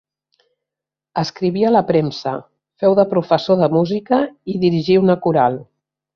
Escriví a la premsa, feu de professor de música i dirigí una coral.